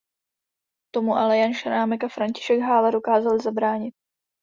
Tomu ale Jan Šrámek a František Hála dokázali zabránit.